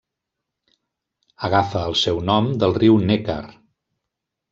Agafa el seu nom del riu Neckar.